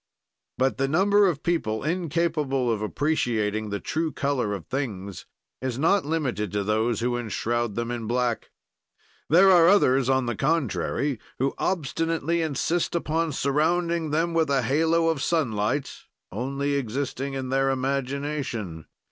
"But the number of people incapable of appreciating the true color of things is not limited to those who enshroud them in black. "There are others, on the contrary, who obstinately insist upon surrounding them with a halo of sunlight only existing in their imagination.